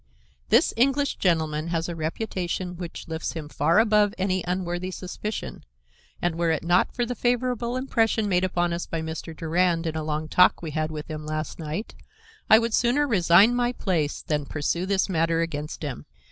This English gentleman has a reputation which lifts him far above any unworthy suspicion, and were it not for the favorable impression made upon us by Mr. Durand in a long talk we had with him last night, I would sooner resign my place than pursue this matter against him.